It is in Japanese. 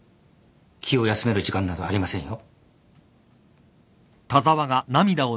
気を休める時間などありませんよ。